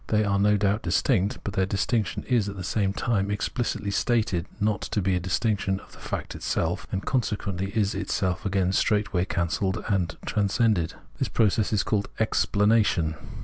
They are no doubt distinct, but their distinction is at the same time explicitly stated to be not a distinction of the fact itself, and consequently is itself again straight way cancelled and transcended. This process is called Explanation.